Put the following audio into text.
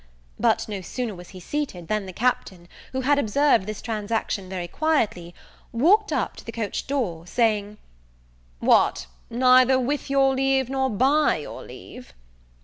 But no sooner was he seated, than the Captain, who had observed this transaction very quietly, walked up to the coach door, saying, "What, neither with your leave, nor by your leave?"